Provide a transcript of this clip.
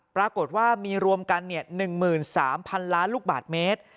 ปรากฏว่ามีรวมกัน๑๓๐๐๐ล้านลูกบาทเมตร